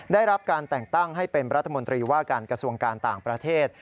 ได้รับการแต่งตั้งให้เป็นรัฐมนตรีว่าการกระทรวงการต่างประเทศ